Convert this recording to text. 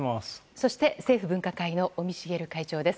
そして政府分科会の尾身茂会長です。